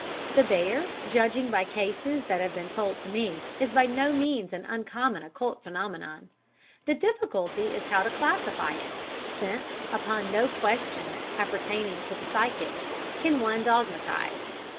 The bear, judging by cases that have been told me, is by no means an uncommon occult phenomenon. The difficulty is how to classify it, since, upon no question appertaining to the psychic, can one dogmatize.